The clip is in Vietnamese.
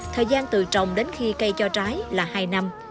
thời gian từ trồng đến khi cây cho trái là hai năm